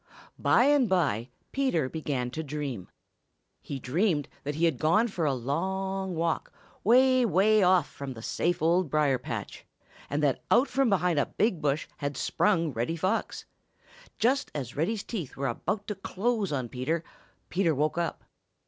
By and by Peter began to dream. He dreamed that he had gone for a long walk, way, way off from the safe Old Briar patch, and that out from behind a big bush had sprung Reddy Fox. Just as Reddy's teeth were about to close on Peter, Peter woke up.